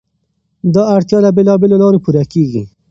دا اړتیا له بېلابېلو لارو پوره کېږي.